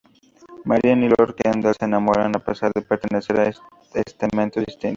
Marian y Lord Kendall se enamoran a pesar de pertenecer a estamentos distintos.